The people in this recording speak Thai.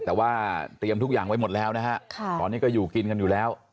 แต่ว่าเตรียมทุกอย่างไว้หมดแล้วนะฮะตอนนี้ก็อยู่กินกันอยู่แล้ว